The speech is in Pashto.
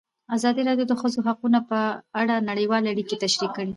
ازادي راډیو د د ښځو حقونه په اړه نړیوالې اړیکې تشریح کړي.